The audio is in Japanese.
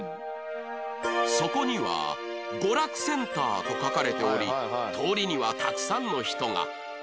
そこには「娯楽センター」と書かれており通りにはたくさんの人が